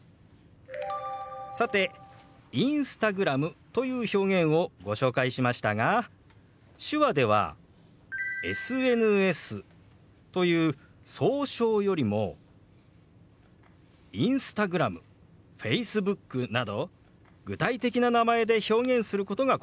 さてＩｎｓｔａｇｒａｍという表現をご紹介しましたが手話では「ＳＮＳ」という総称よりも「Ｉｎｓｔａｇｒａｍ」「Ｆａｃｅｂｏｏｋ」など具体的な名前で表現することが好まれるんです。